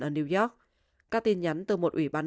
ở new york các tin nhắn từ một ủy ban